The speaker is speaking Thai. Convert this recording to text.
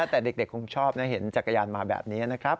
แต่เด็กคงชอบนะเห็นจักรยานมาแบบนี้นะครับ